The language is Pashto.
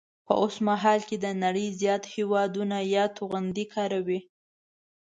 په اوسمهال کې د نړۍ زیات هیوادونه یاد توغندي کاروي